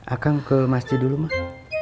akan ke masjid dulu mah